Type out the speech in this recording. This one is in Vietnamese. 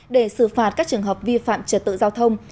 để xử phạt các trường hợp vi phạm trật tự giao thông